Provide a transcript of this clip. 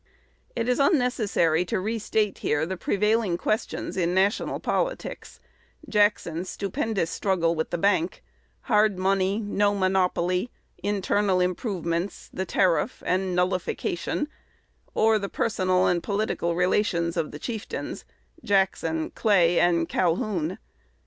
It is unnecessary to restate here the prevailing questions in national politics, Jackson's stupendous struggle with the bank, "hard money," "no monopoly," internal improvements, the tariff, and nullification, or the personal and political relations of the chieftains, Jackson, Clay, and Calhoun.